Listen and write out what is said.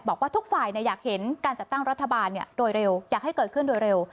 บอกว่าทุกฝ่ายอยากเห็นการจัดตั้งรัฐบาลโดยเร็วอยากให้เกิดขึ้นโดยเร็ว